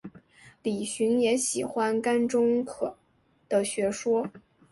李寻也喜欢甘忠可的学说。